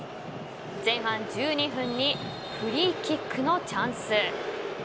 前半１２分にフリーキックのチャンス。